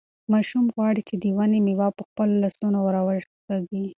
ماشوم غواړي چې د ونې مېوه په خپلو لاسونو راوکاږي.